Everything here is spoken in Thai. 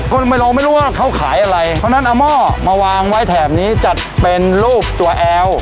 ก็ไม่รู้ไม่รู้ว่าเขาขายอะไรเพราะฉะนั้นเอาหม้อมาวางไว้แถบนี้จัดเป็นรูปตัวแอล